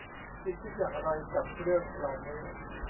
คุณคิดอย่างไรกับเรื่องเหล่านี้